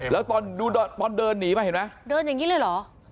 แล้วตอนเดินหนีไหมเห็นแล้วเดินยังคิดบ้อยเหรอ